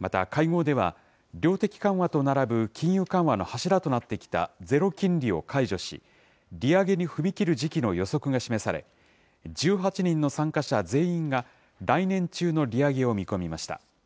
また会合では、量的緩和と並ぶ金融緩和の柱となってきたゼロ金利を解除し、利上げに踏み切る時期の予測が示され、１８人の参加者全員が来年中の利上げを見込みました。